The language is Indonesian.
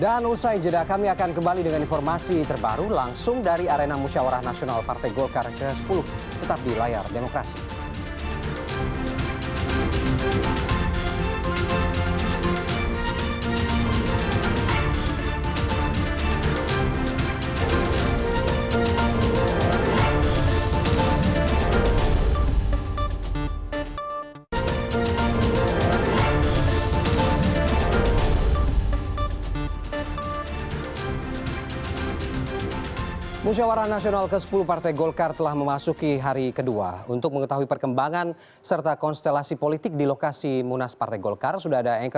dan usai jeda kami akan kembali dengan informasi terbaru langsung dari arena musyawarah nasional partai golkar c sepuluh